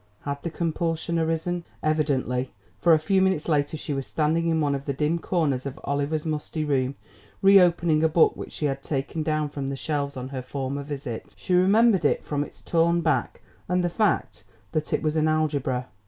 Had the compulsion arisen? Evidently, for a few minutes later she was standing in one of the dim corners of Oliver's musty room, reopening a book which she had taken down from the shelves on her former visit. She remembered it from its torn back and the fact that it was an Algebra.